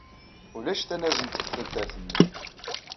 Ulac tanazent deg taddart-nni.